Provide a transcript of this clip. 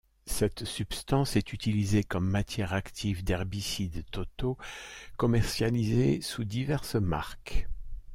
Cette substance est utilisée comme matière active d'herbicides totaux commercialisés sous diverses marques.